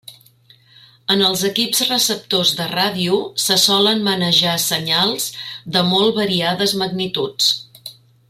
En els equips receptors de ràdio se solen manejar senyals de molt variades magnituds.